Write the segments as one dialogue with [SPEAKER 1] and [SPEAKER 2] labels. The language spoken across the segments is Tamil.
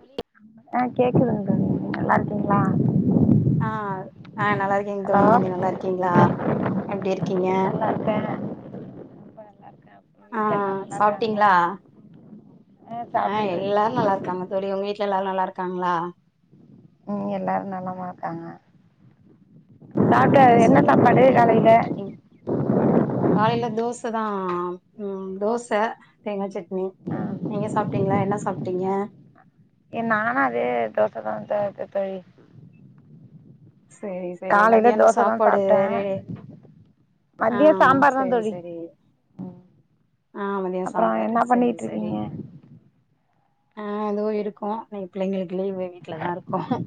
[SPEAKER 1] தோழி
[SPEAKER 2] அ ஆஹ் கேக்குதுங்க நல்லா இருக்கீங்களா
[SPEAKER 1] ஆஹ் ஆஹ் நல்லா இருக்கீங்க
[SPEAKER 2] ஹலோ
[SPEAKER 1] தோழி நீங்க நல்லா இருக்கீங்களா எப்படி இருக்கீங்க
[SPEAKER 2] நல்லா இருக்கேன் ரொம்ப நல்லா இருக்கேன் அப்புறம் வீட்ல எல்லாரும்
[SPEAKER 1] ஆஹ்
[SPEAKER 2] நல்லா இருக்காங்களா
[SPEAKER 1] சாப்பிட்டீங்களா
[SPEAKER 2] ஆ
[SPEAKER 1] ஆஹ்
[SPEAKER 2] சாப்பிட்டோம் தோழி
[SPEAKER 1] எல்லாரும்
[SPEAKER 2] இன்னைக்கு
[SPEAKER 1] நல்லா இருக்காங்க தோழி உங்க வீட்டுல எல்லாரும் நல்லா இருக்காங்களா
[SPEAKER 2] உம் எல்லாரும் நலமா இருக்காங்க சாப்பிட்ட
[SPEAKER 1] ஆஹ்
[SPEAKER 2] என்ன
[SPEAKER 1] சொல்லுங்க
[SPEAKER 2] சாப்பாடு
[SPEAKER 1] தோழி என்ன
[SPEAKER 2] காலையில
[SPEAKER 1] பண்ணிட்டு இருக்கீங்க காலையில தோசை தான் ஆம் உம் தோசை தேங்கா சட் ம்
[SPEAKER 2] ஆ
[SPEAKER 1] நீங்க சாப் டீங்களா என்ன சாப்பிட்டீங்க
[SPEAKER 2] ஏ நான்னு அதே தோசை தான் தா தோழி
[SPEAKER 1] சரி சரி
[SPEAKER 2] காலையில
[SPEAKER 1] மதியானம்
[SPEAKER 2] தோசை தான்
[SPEAKER 1] சாப்பாடு
[SPEAKER 2] சாப்பிட்டேன்
[SPEAKER 1] வேற
[SPEAKER 2] மதியம்
[SPEAKER 1] ஆஹ்
[SPEAKER 2] சாம்பார் தான்
[SPEAKER 1] சரி
[SPEAKER 2] தோழி
[SPEAKER 1] சரி ஆஹ் மதியம்
[SPEAKER 2] அப்புறம்
[SPEAKER 1] சாம்பார்
[SPEAKER 2] என்ன
[SPEAKER 1] சரி
[SPEAKER 2] பண்ணிட்டு
[SPEAKER 1] சரி
[SPEAKER 2] இருக்கீங்க
[SPEAKER 1] ஆஹ் அதோ இருக்கும் இன்னைக் பிள்ளைங்களுக்கு லயும் போய் வீட்டுலதான் இருக்கும் ஹஹ்உம்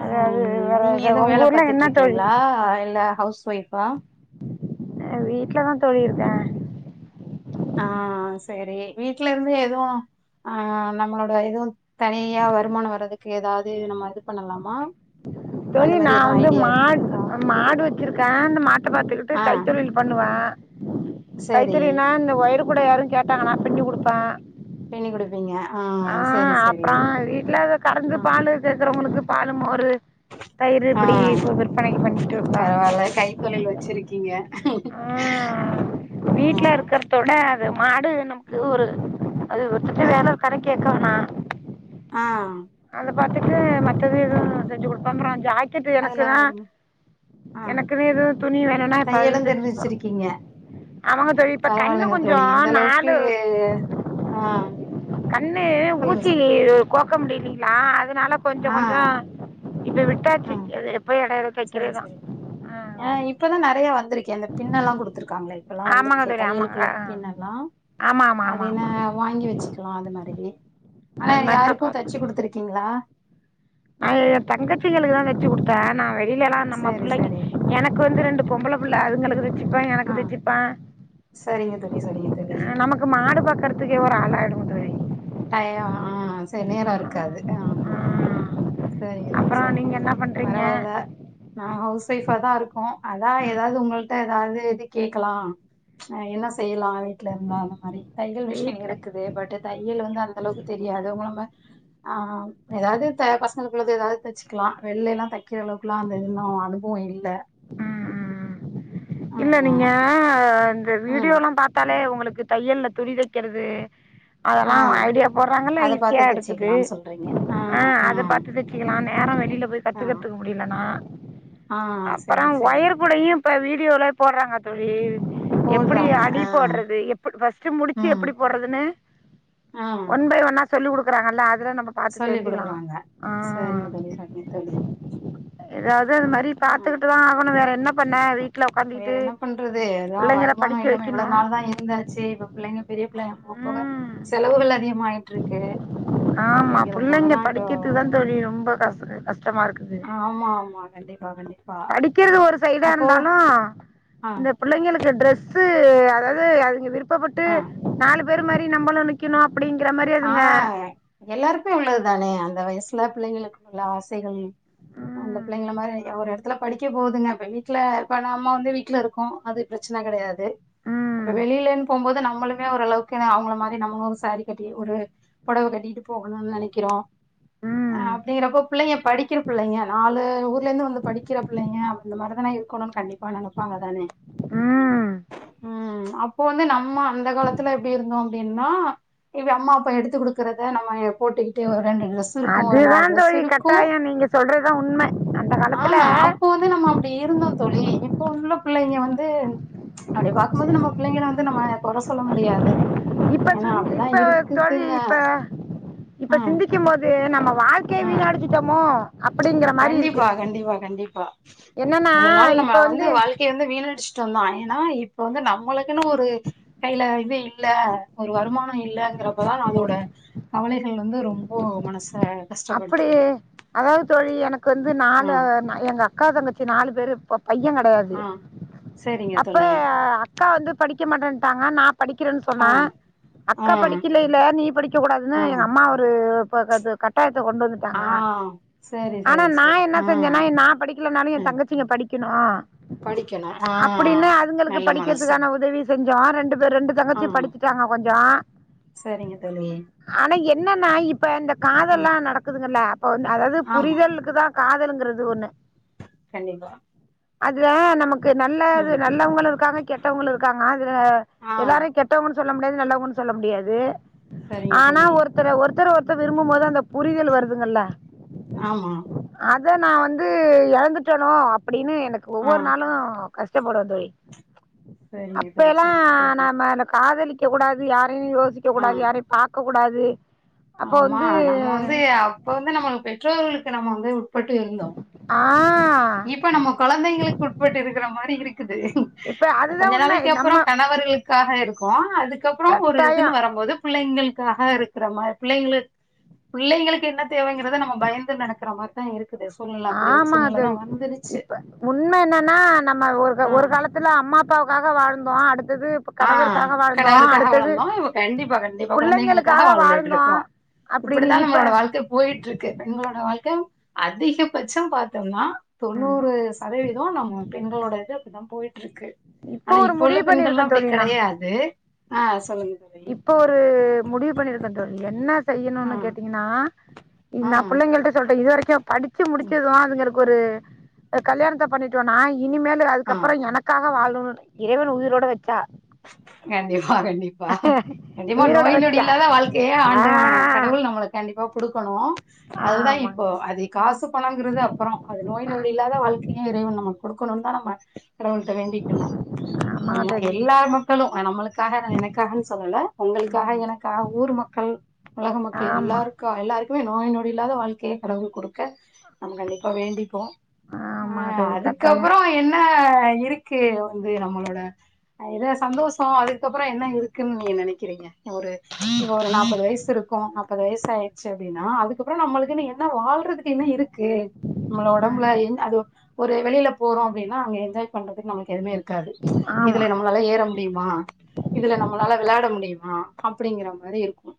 [SPEAKER 2] அ அது வேற உங்க
[SPEAKER 1] வேல
[SPEAKER 2] ஊர்லா
[SPEAKER 1] பாத்துட்டு
[SPEAKER 2] என்ன தோழி
[SPEAKER 1] இருக்கீங்களா இல்ல ஹவுஸ் ஒய்ப்பா
[SPEAKER 2] வீட்டு்லதான் தோழி இருக்கேன்
[SPEAKER 1] ஆ சரி வீட்டு்ல இருந்து எதுவும ஆஹ் நம்மளோட எதுவும் தனியா வருமானம் வர்றதுக்கு ஏதாவது நம்ம இது பண்ணலாமா அந்த
[SPEAKER 2] தோழி
[SPEAKER 1] மாரி
[SPEAKER 2] நான்
[SPEAKER 1] எதுவும்
[SPEAKER 2] வந்து
[SPEAKER 1] ஐடியா
[SPEAKER 2] மாடு
[SPEAKER 1] இருக்கா
[SPEAKER 2] மாடு வச்சிருக்கேன் அந்த மாட்ட பாத்துக்கிட்டு
[SPEAKER 1] ஆ
[SPEAKER 2] கைத்தொழில் பண்ணுவேன்
[SPEAKER 1] சரி
[SPEAKER 2] கைதொழில்னா அந்த ஓயர் கூட யாரும் கேட்டாங்கன்னா பின்னி குடுப்பேன்
[SPEAKER 1] பின்னி குடுப்பீங்க ஆ சரி
[SPEAKER 2] ஆஹ்
[SPEAKER 1] சரி
[SPEAKER 2] அப்புறம் வீட்டுல கறந்து
[SPEAKER 1] ஆ
[SPEAKER 2] பாலு கேக்குறவங்களுக்கு பாலு மோர்ரு தயிர்
[SPEAKER 1] ஆ
[SPEAKER 2] இப்படி விற்பனைக்கு பண்ணிட்டு இருக்கேன்
[SPEAKER 1] பரவால்ல கைத்தொழில் வச்சிருக்கீங்க
[SPEAKER 2] ஆஹ
[SPEAKER 1] ஆ
[SPEAKER 2] வீட்டுல இருக்கிறத விட அது மாடு நமக்கு ஒரு அது ஒருத்தட்ட
[SPEAKER 1] ஆ
[SPEAKER 2] வேலை ஒரு கடன் கேக்கவேணாம்
[SPEAKER 1] ஆ
[SPEAKER 2] பாத்துட்டு மத்தது ஏதும் செஞ்சு குடு பண்றோம் ஜாய் ட்டு
[SPEAKER 1] அதுல
[SPEAKER 2] எனக்குன்னா
[SPEAKER 1] வருமா ஆ
[SPEAKER 2] எனக்குன்னு எதுவும் துணி வேணும்னா எப்பவாது
[SPEAKER 1] தையலும் தெரிஞ்சு
[SPEAKER 2] தைச்சுப்பே
[SPEAKER 1] வச்சிருக்கீங்க
[SPEAKER 2] ஆமாங்க தோழி இப்ப கண்ணு
[SPEAKER 1] பரவால்லங்க தோழி இந்த
[SPEAKER 2] கொஞ்சம்
[SPEAKER 1] அளவுக்கு
[SPEAKER 2] நாலு
[SPEAKER 1] ஆ
[SPEAKER 2] கண்ணு
[SPEAKER 1] சொல்லுங்க
[SPEAKER 2] ஊசி
[SPEAKER 1] சொல்லுங்க
[SPEAKER 2] கோக்க முடிலீங்கிளா அதுனால கொஞ்சம் கொஞ்சம் இப்ப விட்டாச்சு
[SPEAKER 1] ஆஹ
[SPEAKER 2] அது போய் இடையில
[SPEAKER 1] சரி
[SPEAKER 2] தைக்கிறதுதான்
[SPEAKER 1] சரி
[SPEAKER 2] ஆ
[SPEAKER 1] ஆஹ இப்பதான் நிறைய வந்திருக்கே அந்த பின்ன எல்லாம் குடுத்து இருக்காங்களே இப்ப எல்லாம்
[SPEAKER 2] ஆமாங்க
[SPEAKER 1] வந்திருக்கே
[SPEAKER 2] தோழி ஆமாங்க
[SPEAKER 1] தையலுக்குள்ள
[SPEAKER 2] ஆ
[SPEAKER 1] அந்த பின் எல்லாம்
[SPEAKER 2] ஆமா ஆமா
[SPEAKER 1] அது
[SPEAKER 2] ஆமா
[SPEAKER 1] என்ன
[SPEAKER 2] ஆமா
[SPEAKER 1] வாங்கி வச்சுக்கலாம் அது மாரி ஆனா
[SPEAKER 2] அது மாதிரி
[SPEAKER 1] யாருக்கும் தைச்சு குடுத்துருக்கீங்களா
[SPEAKER 2] அது தங்கச்சிகளுக்கு தான் தைச்சு குடுத்தேன் நா இல்லலாம் நம்ம
[SPEAKER 1] சரி
[SPEAKER 2] பிள்ளைங்க
[SPEAKER 1] சரி
[SPEAKER 2] எனக்கு வந்து ரெண்டு பொம்பள புள்ள அதுங்களுக்கு தச்சுப்பேன்
[SPEAKER 1] ஆ
[SPEAKER 2] எனக்கு தச்சிப்பேன்
[SPEAKER 1] சரிங்க தோழி சரிங்க தோழி
[SPEAKER 2] நமக்கு மாடு பாக்கறதுக்கே ஒரு ஆள ஆயிடும் [unintelligible]
[SPEAKER 1] டயோம் ஆஹ செரி நேரம்
[SPEAKER 2] ஆமா.
[SPEAKER 1] இருக்காது ஆமா
[SPEAKER 2] ஆ.
[SPEAKER 1] சரிங்க தோழி
[SPEAKER 2] அப்புறம்
[SPEAKER 1] சரிங்க
[SPEAKER 2] நீங்க
[SPEAKER 1] தோழி
[SPEAKER 2] என்ன பண்றீங்க
[SPEAKER 1] பரவால்ல நான் ஹவுஸ் ஒய்ஃபா தான் இருக்கோம் அதான் ஏதாவது உங்கள்கிட்ட ஏதாவது இது கேட்கலாம் என்ன செய்யலாம் வீட்டுல இருந்தா அந்த மாரி தையல் மிஷின்
[SPEAKER 2] வீட்டில்
[SPEAKER 1] இருக்குது பட் தை அந்த அளவுக்கு தெரியாது அதுவும் இல்லாம ஆஹ் ஏதாவது பசங்களுக்கு ஏதாவுது தைச்சுக்கலாம் வெளில எல்லாம் தைக்கிற அளவுக்குல்லாம் அது இன்னும் அனுபவம் இல்லை
[SPEAKER 2] உம் உம் உம் இல்ல
[SPEAKER 1] ஆமா.
[SPEAKER 2] நீங்க
[SPEAKER 1] ம்.
[SPEAKER 2] வீடியோலாம் பார்த்தா லே உங்களுக்கு தையல்ல துடிதைக்கிறது
[SPEAKER 1] ஆ
[SPEAKER 2] அதெல்லாம் ஐடியா போடுறாங்கல்ல
[SPEAKER 1] அத பாத்து
[SPEAKER 2] ஈஸியா எடுக்குது
[SPEAKER 1] தச்சுக்கலாம்னு சொல்றீங்க. ஆ,
[SPEAKER 2] ஆஹ்
[SPEAKER 1] ஆ,
[SPEAKER 2] அத பாத்து தச்சிக்கலாம்னேன் வேற வெளி ல போய்
[SPEAKER 1] ஆ,
[SPEAKER 2] கத்துக்கத்துகிறத்திற்கு முடியலனா
[SPEAKER 1] ஆ சரி,
[SPEAKER 2] அப்புறம்
[SPEAKER 1] சரி.
[SPEAKER 2] ஒயற்கூடையும் இப்ப வீ டியோல போடுறாங்க தோழி எப்படி
[SPEAKER 1] போடுறாங்க.
[SPEAKER 2] அடி
[SPEAKER 1] ஆ,
[SPEAKER 2] போடுறது ஃபர்ஸ்ட் முடிச்சு
[SPEAKER 1] ம்,
[SPEAKER 2] எப்படி போடுறதுன்னு
[SPEAKER 1] ஆ
[SPEAKER 2] ஒன் பை ஒன்னா சொல்லி கொடுக்குறாங்கல்ல அ துல நம்ம பாத்து
[SPEAKER 1] சொல்லிக்
[SPEAKER 2] தெரிஞ்சுக்கெல்லாம்
[SPEAKER 1] குடுக்குறாங்க. சரிங்க
[SPEAKER 2] ஆஹ்
[SPEAKER 1] தோழி, சரிங்க தோழி.
[SPEAKER 2] ஏதாவது அது மாதிரி
[SPEAKER 1] ம்.
[SPEAKER 2] பாத்துக்கிட்டுதான் ஆகணும் வேற என்ன பண்ண வீ
[SPEAKER 1] வேற என்ன பண்றது அதான் வருமானம்
[SPEAKER 2] படிக்க
[SPEAKER 1] இல்லாம இவ்வளவு
[SPEAKER 2] வைக்கணும்
[SPEAKER 1] நாள் தான் இருந்தாச்சு இப்ப பிள்ளைங்க பெரிய பிள்ளைங்க போக போக
[SPEAKER 2] ம்
[SPEAKER 1] செலவுகள் அதிகமா ஆயிட்டு இருக்கு
[SPEAKER 2] ஆமா
[SPEAKER 1] அப்படிங்கிறதுனால
[SPEAKER 2] பிள்ளைங்க
[SPEAKER 1] தான் இப்போ
[SPEAKER 2] படிக்கிறது தான் தோழி ரொம்ப [unintelligible]
[SPEAKER 1] ஆமா ஆமா கண்டிப்பா கண்டிப்பா அப்போ
[SPEAKER 2] லும்
[SPEAKER 1] ஆ
[SPEAKER 2] இந்த பிள்ளைங்களுக்கு ட்ரெஸ் க்கு அதாவது அவிங்க விருப் பபட்டு நாலு பேறு மாரி நம்மளும் நிக்கணும்
[SPEAKER 1] ஆஹ் எல்லாருக்கும் உள்ளதுதானே இந்த வயசுல பிள்ளைங்களுக்கு உள்ள ஆசைகள் அந்த
[SPEAKER 2] ம்
[SPEAKER 1] பிள்ளைங்க மாரி ஒரு இடத்துல படிக்க போகுதுங்க வீட்டுல இப்ப நம்ம வந்து வீட்டுல இருக்கோம் அது பிரச்சனை கிடையாது நம்ப
[SPEAKER 2] ம்
[SPEAKER 1] வெளியிலன்னு போகும்போது நம நம்ளுமே ஓரளவுக்கு அவுங்கள மாரி நம்மளும் சாரி கட் டி ஒரு புடவை கட்டிட்டு போகணும்னு நினைக்கிறோம் அஹ்
[SPEAKER 2] ம்
[SPEAKER 1] அப்படிங்கறப்ப பிள்ளைங்க படிக்கிற பிள்ளைங்க நாலு ஊர்ல இருந்து வந்து படிக்கிற பிள்ளைங்க அந்த மாரி தானே இருக்கணும்னு கண்டிப்பா நினைப்பாங்க தானே
[SPEAKER 2] உம்
[SPEAKER 1] உம் அப்போ வந்து நம்ம அந்த காலத்துல எப்படி இருந்தோம் அப்படின்னா இப்ப அம்மா அப்ப எடுத்து குடுக்கறத நம்ம போட்டுக்கிட்டு ஒரு ரெண்டு ட்ரெஸ் இருக்கும் ஒரு
[SPEAKER 2] அதுதா
[SPEAKER 1] நாலு ட்ரெஸ்
[SPEAKER 2] தோழி
[SPEAKER 1] இருக்கும்
[SPEAKER 2] கட்டாயோ நீங்க சொல்றதுதா உண்ம அந்த காலத்துல
[SPEAKER 1] ஆஹ் அப்போ வந்து நம்ம அப்படி இருந்தோம் தோழி இப்ப உள்ள பிள்ளைங்க வந்து அப்படி பார்க்கும் போது நம்ம பிள்ளைங்க வந்து நம்ம குறை சொல்ல முடியாது
[SPEAKER 2] இப்ப
[SPEAKER 1] ஏன்னா
[SPEAKER 2] சுந்
[SPEAKER 1] அப்டிதா
[SPEAKER 2] இப்ப தோழி
[SPEAKER 1] இருக்குதுங்க
[SPEAKER 2] இப்ப இப்ப
[SPEAKER 1] ம்
[SPEAKER 2] சிந்திக்கும் போது நம்ம வாழ் வாழ்க்கை
[SPEAKER 1] ம்
[SPEAKER 2] வீனடிச்சிடமோ ஆ
[SPEAKER 1] கண்டிப்பா கண்டிப்பா கண்டிப்பா
[SPEAKER 2] என்னன்னா
[SPEAKER 1] இவ்வளவு நாள் நம்ம
[SPEAKER 2] இப்ப
[SPEAKER 1] வந்து வாழ்க்கையை வந்து வீணடிச்சு வீனடிச்டோம் தான் ஏன்னா இப்ப வந்து நம்மளுக்குன்னு ஒரு கையில இது இல்ல ஒரு வருமானம் இல்லங்கிறப்பதான் அதோட கவலைகள் வந்து ரொம்ப மனசு
[SPEAKER 2] அப்படியே அதாவது எனக்கு வந்து
[SPEAKER 1] ஆ
[SPEAKER 2] நாலு எங்க அக்கா தங்கசிக அக்கா தங்கச்சி நாலு பேரு இருப்போ பையன் கிடையாது
[SPEAKER 1] ஆ சரிங்க
[SPEAKER 2] அப்ப
[SPEAKER 1] தோழி
[SPEAKER 2] அக்கா வந்து படிக்க மாட்டேட்டாங்க நா படிக்கிறேன்னு
[SPEAKER 1] ஆ
[SPEAKER 2] சொன்னேன்
[SPEAKER 1] ஆ
[SPEAKER 2] அக்கா படிக்கல இல்ல நீ படிக்க கூடாதுன்னு
[SPEAKER 1] ஆ
[SPEAKER 2] எங்க அம்மா ஒரு ப்பது கடன் ஆடியபிள் கொண்டு
[SPEAKER 1] ஆ
[SPEAKER 2] வந்துட்டாங்க
[SPEAKER 1] சரி
[SPEAKER 2] ஆனா
[SPEAKER 1] சரி சரி
[SPEAKER 2] நான் என்ன
[SPEAKER 1] ஆ
[SPEAKER 2] செஞ்சேன்னா நான் படிக்கலனாலும் என்
[SPEAKER 1] ம்
[SPEAKER 2] தங்கச்சிங்க படிக்க படிக்கவெக்கினோ
[SPEAKER 1] படிக்கணும் ஆ
[SPEAKER 2] அப்படின்னு அதுங்களுக்கு
[SPEAKER 1] நல்ல மனசு
[SPEAKER 2] படிக்கிறதுக்கான உதவி செஞ்சோம் ரெண்டு பேர் ரெண்டு
[SPEAKER 1] ஆ
[SPEAKER 2] தங்கச்சி படிச்சட்டாங்க கொஞ்சம்
[SPEAKER 1] சரிங்க தோழி
[SPEAKER 2] ஆனா என்ன நான் இப்ப இந்த
[SPEAKER 1] ம்
[SPEAKER 2] எல்லாம் நடக்குதுங்கல்ல அப்ப அதாவது
[SPEAKER 1] ஆமா
[SPEAKER 2] புரிதலுக்கு தான் காதலுங்கிறது ஒண்ணு
[SPEAKER 1] கண்டிப்பா
[SPEAKER 2] அத நமக்கு நல்லது
[SPEAKER 1] ம்
[SPEAKER 2] நல்லவங்க இருக்காங்க கெட்டவங்க இருக்காங்க அதுல
[SPEAKER 1] ஆ
[SPEAKER 2] எல்லாரும் கெட்டவங்களுக்கு சொல்ல முடியாது நல்ல ஒன்னு சொல்ல முடியாது
[SPEAKER 1] சரிங்க
[SPEAKER 2] ஆனா
[SPEAKER 1] தோழி
[SPEAKER 2] ஒருத்தர் ஒருத்தர் ஒருத்த விரும்பும்போது அந்த புரியதல் வருதுங்கல
[SPEAKER 1] ஆமா
[SPEAKER 2] அத நான் வந்து இழந்துட்டனோ அப்படின்னு எனக்கு
[SPEAKER 1] ஆ
[SPEAKER 2] ஒவ்வொரு நாளும் கஷ்டப்படுவ தோழி
[SPEAKER 1] சரிங்க
[SPEAKER 2] அப்ப
[SPEAKER 1] தோழி
[SPEAKER 2] எல்லாம்
[SPEAKER 1] சரிங்க தோழி
[SPEAKER 2] நாம இந்த காதலி க கூடாது யா யோசிக்க
[SPEAKER 1] ஆ
[SPEAKER 2] கூடாது யார பார்க இருக்க கூடாது அப்போ வந்து
[SPEAKER 1] அ அப்ப வந்து நம்ம பெற்றோர்களுக்கு நம்ம வந்து உட்பட்டு இருந்தோம்
[SPEAKER 2] ஆஹ
[SPEAKER 1] இப்ப நம்ம குழந்தைங்களுக்கு உட்பட்டு இருக்கிற மாதிரி இருக்குது
[SPEAKER 2] இப்ப
[SPEAKER 1] கொஞ்ச
[SPEAKER 2] அதுதான் உண்மை.
[SPEAKER 1] நாளைக்கு
[SPEAKER 2] நம்ம
[SPEAKER 1] அப்புறம் கணவர்களுக்கு க்காக இருக்கும் அது அதுக்க அப்புறம் ஒரு இதுன்னு
[SPEAKER 2] கட்டாயம்
[SPEAKER 1] வரும்போது பிள்ளைங்களுக்காக இருக்கிற மா பிள்ளைங்களுக்கு பிள்ளைங்களுக்கு என்ன தேவைங்கறத நம்ம பயந்து நடக்கற மாதிரிதான் இருக்கு சூழ்நில அடி ஒரு
[SPEAKER 2] ஆமா
[SPEAKER 1] சூழ்நில
[SPEAKER 2] தோழி
[SPEAKER 1] தான் வ
[SPEAKER 2] இப்ப உண்மை என்னன்னா நம்ம ஒரு
[SPEAKER 1] ஆ
[SPEAKER 2] ஒரு காலத்துல அம்மா அப்பாவுக்காக வாழ இருந்த அடுத்து
[SPEAKER 1] ஆஹ் கணவருக்காக வளர்ந்தோம் இ கண்டிப்பா கண்டிப்பா குழந்தைங்களுக்காக
[SPEAKER 2] புள்ளைங்களுக்காக
[SPEAKER 1] வளர்ந்துட்டு
[SPEAKER 2] வாழ்ந்தோம்
[SPEAKER 1] இருக்கோம்
[SPEAKER 2] அப்படின்னு
[SPEAKER 1] இப்படித்தான்
[SPEAKER 2] இப்ப
[SPEAKER 1] நம்மளோட வாழ்க்கை போயிட்டு இருக்கு பெண்ங்களோட வாழ்க்கை அதிகபட்சம் பார்த்தோம்னா தொண்ணூறு சதவீதம் நம்ம பெண்களோட இது அப்பதான் போயிட்டு இருக்கு
[SPEAKER 2] இப்ப
[SPEAKER 1] ஆனா
[SPEAKER 2] ஒரு
[SPEAKER 1] இப்போ உள்ள
[SPEAKER 2] முடிவு பண்ணிருக்கேன்
[SPEAKER 1] பெண்களல்லாம்
[SPEAKER 2] தோழி நான்
[SPEAKER 1] கிடையாது ஆஹ் சொல்லுங்க தோழி
[SPEAKER 2] இப்ப ஒரு முடிவு பண்ணிருக்கேன் தோலி என்ன செய்யணும்ன்னனு
[SPEAKER 1] ஆஹ்
[SPEAKER 2] கேட்டீங்கன்னா இ நான்
[SPEAKER 1] ஆஹ்
[SPEAKER 2] பிள்ளைங்களிட்ட சொல்றேன் இது வரைக்கும் படிச்சு முடிச்சதுவாங்கிறது ஒரு கல்யாணத்த பண்ணிட்டோனா இனிமேல்
[SPEAKER 1] ஆ
[SPEAKER 2] அதுக்கப்புறம் எனக்காக வாழ் இறைவன் உயிரோட வச்சா
[SPEAKER 1] கண்டி ஆ கண்டிப்பா கண்டிப்பா
[SPEAKER 2] உயிரோட
[SPEAKER 1] நோய் நொடி
[SPEAKER 2] வச்சா
[SPEAKER 1] இல்லாத வாழ்க்கையே ஆண்டவான்
[SPEAKER 2] ஆஹ்
[SPEAKER 1] கடவுள் நம்மளுக்கு கண்டிப்பா கொடுக்கணும் அதுதான் இப்போ
[SPEAKER 2] ஆமாங்க
[SPEAKER 1] அது காசு பணங்கிறது அப்புறம் அது நோய் நொடி இல்லாத வாழ்க்கையும் இறைவ நம்ம கொடு க்கணும் தான நம்ம கடவுளிட்ட வேண்டிணும் ஆமா எல்லார் மக்களும் நம்மளுக்காக எனக்காகனு சொல்லல உங்களுக்காக
[SPEAKER 2] ம்
[SPEAKER 1] எனக்காக ஊர் மக்கள் உலக மக்கள்
[SPEAKER 2] ஆமா
[SPEAKER 1] எல்லாருக்கும் எல்லாருக்கும் எப்பயும் நோய் நோடி இல்லாத வாழ்க்கையை கடவுள் கொடுக்க நம்ம கண்டிப்பாக வேண்டிப்போம்
[SPEAKER 2] ஆமா
[SPEAKER 1] அஹ்
[SPEAKER 2] தோழி கட்டாயோ
[SPEAKER 1] அதுக்கப்புறம் என்ன இருக்கு வந்து நம்மளோட ஏதோ சந்தோஷம் அதுக்கப்புறம் என்ன இருக்குன்னு நீங்க நினைக்கிறீங்க ஒரு இ ஒரு நாப்பது வயசு இருக்கும் முப்பது வயசு ஆயிச்சு அப்படின்னா அதுக்கப்புறம் நம்மளுக்கு என்ன வாழ்றதுக்கு என்ன இருக்கு நம்ள உடம்புல
[SPEAKER 2] ம்
[SPEAKER 1] அது ஒரு வெளிய போறோம் அப்படனாங்க என்ஜாய் பண்றதுக்கு நமக்கு எதுவுமே இருக்கு இருக்காது இது
[SPEAKER 2] ஆமா
[SPEAKER 1] இதுல நம்மளால ஏற முடியுமா இதுல நம்மளால விளாட முடியுமா அப்படிங்கற மாரி இருக்கும்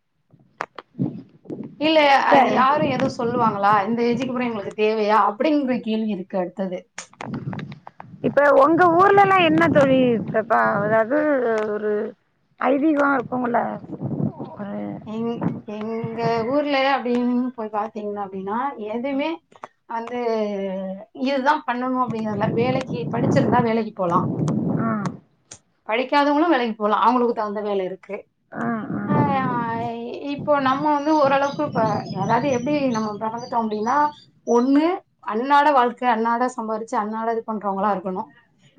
[SPEAKER 1] இல்ல
[SPEAKER 2] இப்ப
[SPEAKER 1] அது யாரும் ஏதோ சொல்லுவாங்களா இந்த எஜிக்குப்புறம் எங்களுக்கு தேவையா அப்படிங்கிற கேள்வி இருக்கு அடுத்தது
[SPEAKER 2] இப்ப உங்க ஊர்லல்லாம் என்ன தோழி இருப்பா அதாவது ஒரு ஐதகம் இருக்கும்ங்கல ஒரு
[SPEAKER 1] எங எங்க ஊர்ல அப்படின்னு போய் பாத்தீங்கன்னா அப்படின்னா எதுவுமே வந்து இதுதான் பண்ணணும் அப்படிங்கிறதுல வேலைக்கு படிச்சிருந்தா வேலைக்கு போலாம்
[SPEAKER 2] ஆ
[SPEAKER 1] படிக்காதவங்களும் வேலைக்கு போகலாம் அவங்களுக்கு தகுந்த வேலை இருக்கு
[SPEAKER 2] ஆ ஆ ஆ
[SPEAKER 1] அஹ் இப்போ நம்ம வந்து ஓரளவுக்கு இப்ப அதாவது எப்படி நம்ம நடந்துட்டோம் அப்படின்னா ஒண்ணு அண்ணாட வாழ்க்கை அண்ணாட சம்பாதிச்சு அண்ணாட இது பண்றவங்களா இருக்கணும்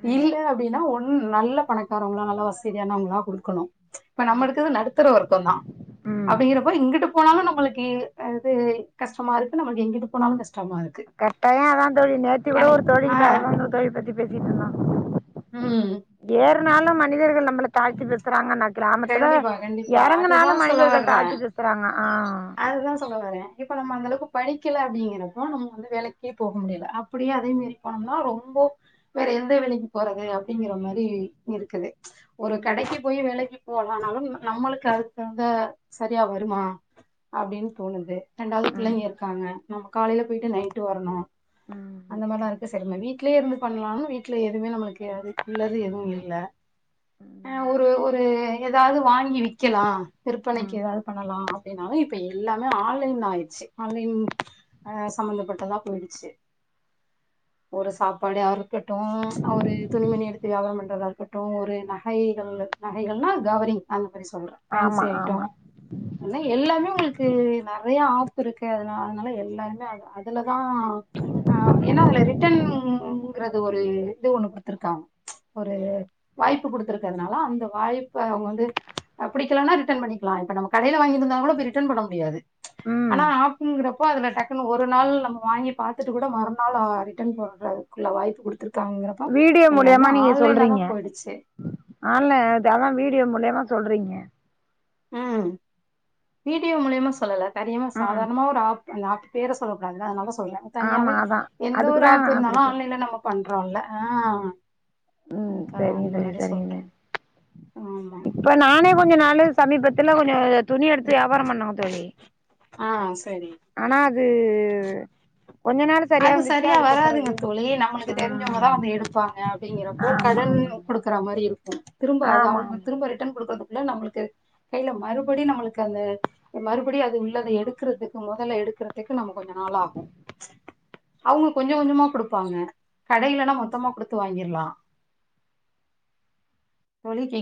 [SPEAKER 2] ம்
[SPEAKER 1] இல்ல அப்படின்னா ஒண்ணு நல்ல பணக்கார நல்ல வசதிய கொடுக்கணும் இப்ப நம்ம
[SPEAKER 2] ம்
[SPEAKER 1] நடுத்தர வர்க்கம் தான்
[SPEAKER 2] ம்
[SPEAKER 1] அப்படிங்கற எங்க போனாலும் நளுக்கு கஷ்டமா இருக்கு இங்கிட்டு போனாலும் கஷ்ட
[SPEAKER 2] கட்டாயம் அதான் தோழி நேரத்தி கூட
[SPEAKER 1] ஏன்னா
[SPEAKER 2] ஒரு தோழிக்கிட்ட
[SPEAKER 1] ஆஹ்
[SPEAKER 2] அததான் ஒரு தோழி பத்தி பேசிட்டு இருந்தோம்
[SPEAKER 1] ஹம்
[SPEAKER 2] நாலும் மனிதர்கள் நம்மளை தாழ்த்தி பேசுறாங்கன்னா கிராமத்துல
[SPEAKER 1] கண்டிப்பா கண்டிப்பா
[SPEAKER 2] இறங்குினாலும்
[SPEAKER 1] அதுதான் சொல்ல
[SPEAKER 2] மனிதர்கள்
[SPEAKER 1] வர்றேன்.
[SPEAKER 2] தாழ்த்தி பேசுறாங்க ஆஹ்
[SPEAKER 1] அதுதான் சொல்ல வர்றேன். இப்ப நம்ம அந்த அளவுக்கு படிக்கல அப்படிங்கிறப்போ நம்ம வந்து வேலைக்கே போக முடியலை அப்படியே அதே மாரி போனோம்னா ரொம்ப வேற எந்த வேலைக்கு போறது அப்படிங்கிற மாதிரி இருக்குது ஒரு கடைக்கு போய் வேலைக்கு போகலாம் நம்பனாலும் நம்மளுக்கு அதுக்குகுந்த சரியா வருமா அப்படின்னு தோணுது ரெண்டாவது
[SPEAKER 2] ம்
[SPEAKER 1] பிள்ளைங்க இருக்காங்க நம்ம காலையில போயிட்டு நைட்டு வரணும்
[SPEAKER 2] ம்
[SPEAKER 1] அந்த மாதிரி எல்லாம் இருக்கு சரிமா வீட்லயே இருந்து பண்ணலானும் வீட்டுல எதுவுமே நம்மளுக்கு அதுக்குள்ளது எதுவும் இல்ல ஆ
[SPEAKER 2] ம்
[SPEAKER 1] ஒரு ஒரு ஏதாவது வாங்கி விக்கலாம் விற்பனைக்கு
[SPEAKER 2] ம்
[SPEAKER 1] ஏதாவது பண்ணலாம் அப்படின்னாலும் இப்ப எல்லாமே ஆன்லைன்ல ஆயிடுச்சு ஆன்லைன் அஹ் சம்பந்தப்பட்டதா போயிடுச்சு ஒரு சாப்பாடா இருக்கட்டும் ஒரு துணிமணி எடுத்து வியாபாரம் பண்றதா இருக்கட்டும் ஒரு நகைகள் நகைகள்னா கவரி் அ
[SPEAKER 2] ஆமா
[SPEAKER 1] பேன்சி
[SPEAKER 2] ஆமா
[SPEAKER 1] ஐட்டம் எல்லாமே உங்களுக்கு நரையா இருக்குன அதனால எல்லாருமே அதுதான் ஹ ஏன்னா அதுல ரிட்டன்ங்கிறது ஒரு இது ஒண்ணு குத்துருக்காங்க ஒரு வாய்ப்பு குடுத்துருக்குரனால அந்த வாய்ப்ப வந்து பிடிக்கலனா ரிட்டன் பண்ணிக்கலாம் இப்ப நம்ப கடைல வாங்கீட்டு வந்தா கூட இப்ப ரிட்டன் பண்ண முடியாது
[SPEAKER 2] ம்
[SPEAKER 1] ஆனா ஆப்க்குறப்ப முடியான நா மறுநாள் வாய்ப்பு இருக்காங்கிறப்ப
[SPEAKER 2] வீடியோ
[SPEAKER 1] எல்லாருமே ஆன்லைன தான் போயிடுச்சு
[SPEAKER 2] ஆல்ல அதான் வீடியோ மூலயமா சொல்றீங்க
[SPEAKER 1] உம் வீடியோ மூலியமா சொல்லல தெரியாம
[SPEAKER 2] ம்
[SPEAKER 1] சாதாரணமா ஒரு ஆ ந்த நா பேரை சொல்ல கூடாது அதனால சொல்லறாங்க
[SPEAKER 2] ஆமா
[SPEAKER 1] தனியாவே
[SPEAKER 2] அதா
[SPEAKER 1] எந்த ஒரு
[SPEAKER 2] அதுக்குதா நா
[SPEAKER 1] ஆப்
[SPEAKER 2] அப்டி
[SPEAKER 1] இருந்தாலும்
[SPEAKER 2] சொன்
[SPEAKER 1] ஆன்லைன்ல நம்ம பண்றோம் றல ஆஹ்
[SPEAKER 2] உம்
[SPEAKER 1] அதுக்காக அந்த
[SPEAKER 2] சரிங்க
[SPEAKER 1] மாதிரி
[SPEAKER 2] சரிங்க
[SPEAKER 1] சொல்றேன்
[SPEAKER 2] ச
[SPEAKER 1] ஆமா
[SPEAKER 2] இப்ப நானே கொஞ்ச நாள் சமீப ல்ல கொஞ துணி எடுத்து வியாபம் பண்ணாங்க தொழி
[SPEAKER 1] ஆஹ் சரி
[SPEAKER 2] ஆனா அது உ
[SPEAKER 1] அது சரியா வராதுங்க தூழி நம்மளுக்கு
[SPEAKER 2] ஆ
[SPEAKER 1] தெரிஞ்சவங்கதான் வந்து எடுப்பாங்க அப்படிங்கிறப்போ
[SPEAKER 2] ஆமா ஆமா
[SPEAKER 1] கடன் கொடுக்குற மாரி திரும்ப அது
[SPEAKER 2] ஆமா ஆமா
[SPEAKER 1] அவங்க திரும்ப ரிட்டர்ன் கொடுக்கறது நம்மளுக்கு கையில மறுபடி நம்மளுக்கு அந்த மறுபடி அது உள்ளதை எடுக்கிறதுக்கு முதல்ல எடுக்குறதுக்கு நம்ம கொஞ்சம் நாள் ஆகும் அவங்க கொஞ்சம் கொஞ்சமா கொடுப்பாங்க கடைலனா மொத்தமா கொடுத்து வாங்கிரலாம் [unintelligible]